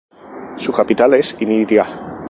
Su capital es Inírida.